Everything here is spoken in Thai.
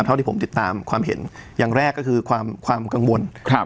เท่าที่ผมติดตามความเห็นอย่างแรกก็คือความความกังวลครับ